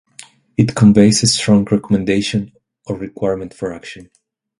It conveys a strong recommendation or requirement for action.